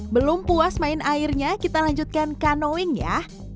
belum puas main airnya kita lanjutkan kanoing ya